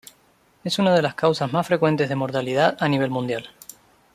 Es una de las causas más frecuentes de mortalidad a nivel mundial.